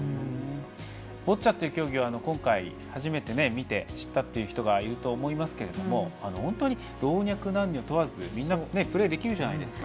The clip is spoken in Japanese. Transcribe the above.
ボッチャという競技を今回初めて見て知ったという人がいると思いますけども本当に老若男女問わず、みんなプレーできるじゃないですか。